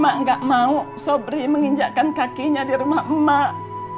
mak gak mau sobri menginjakkan kakinya di rumah emak emak